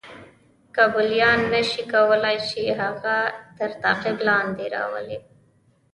کیبلیان نه شي کولای چې هغه تر تعقیب لاندې راولي.